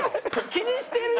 気にしてる？